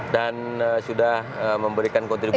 dan sudah memberikan kontribusi